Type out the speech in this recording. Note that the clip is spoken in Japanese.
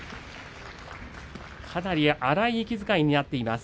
かなり荒い息遣いになっています。